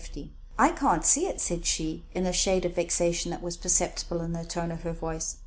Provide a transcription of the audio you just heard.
"I can't see it," said she; and a shade of vexation was perceptible in the tone of her voice.